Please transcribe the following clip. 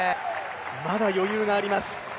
まだ余裕があります。